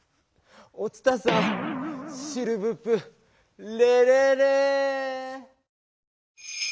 お伝さんシルヴプレレレ！